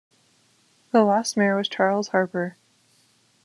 The last mayor was Charles Harper.